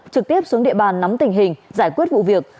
trực tiếp xuống địa bàn nắm tình hình giải quyết vụ việc